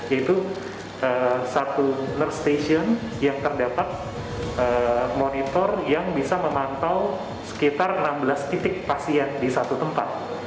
yaitu satu nur station yang terdapat monitor yang bisa memantau sekitar enam belas titik pasien di satu tempat